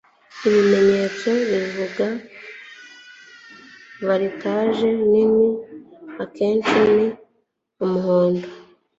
Ibimenyetso bivuga voltage nini akenshi ni umuhondo